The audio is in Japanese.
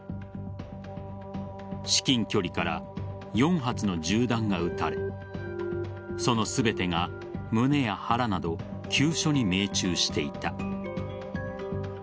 至近距離から４発の銃弾が撃たれその全てが胸や腹など急所に命中していた。